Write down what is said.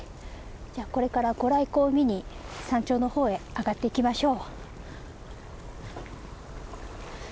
じゃあこれから御来光を見に山頂の方へ上がっていきましょう。